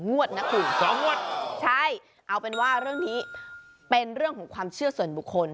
งวดนะคุณ๒งวดใช่เอาเป็นว่าเรื่องนี้เป็นเรื่องของความเชื่อส่วนบุคคล